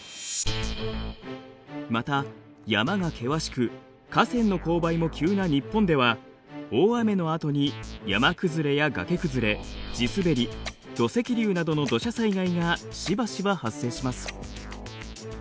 また山が険しく河川の勾配も急な日本では大雨のあとに山崩れやがけ崩れ地滑り土石流などの土砂災害がしばしば発生します。